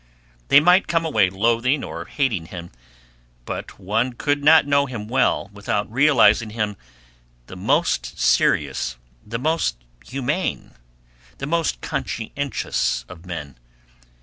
They might come away loathing or hating him, but one could not know him well without realizing him the most serious, the most humane, the most conscientious of men.